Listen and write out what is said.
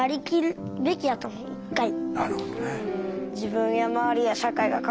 なるほどね。